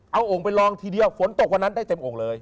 เอาโอ่งไปลองทีเดียวฝนตกวันนั้นได้เต็มองค์เลย